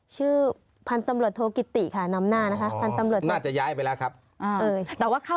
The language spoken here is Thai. คือรักษณะเหมือนกัน